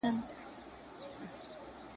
په ټولنه کي باید د سپین ږیرو قدر وشي.